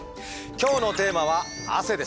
今日のテーマは「汗」です。